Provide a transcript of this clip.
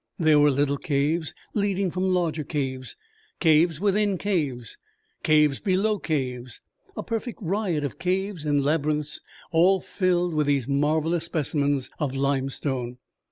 There were little caves leading from larger caves, caves within caves, caves below caves, a perfect riot of caves and labyrinths all filled with these marvelous specimens of limestone.